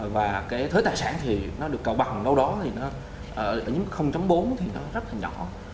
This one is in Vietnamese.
và cái thuế tài sản thì nó được cầu bằng đâu đó thì nó ở những bốn thì nó rất là nhỏ